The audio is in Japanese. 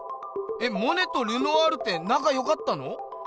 えっモネとルノワールってなかよかったの？